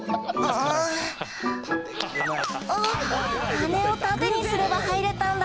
羽根を縦にすれば入れたんだ。